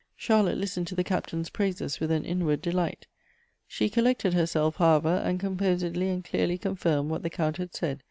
Charlotte listened to the Captain's praises with an inward delight. She collected herself, however, and composedly and clearly contii med what the Count had •said.